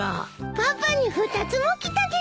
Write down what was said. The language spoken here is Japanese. パパに２つも来たです。